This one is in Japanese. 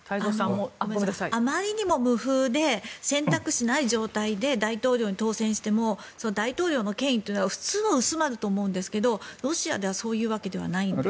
あまりに無風で選択しない状態で大統領に当選しても大統領の権威というのは普通は薄まると思うんですけどロシアでは、そういうわけではないんですか？